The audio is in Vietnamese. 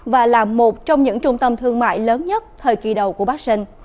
và là một trong những trung tâm thương mại lớn nhất thời kỳ đầu của bác sơn